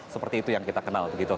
seperti itu yang kita kenal